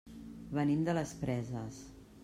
Venim de les Preses.